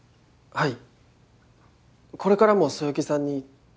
はい。